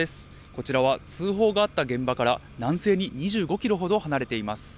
こちらは通報があった現場から南西に２５キロほど離れています。